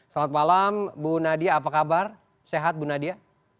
selamat malam bu nadia apa kabar sehat bu nadia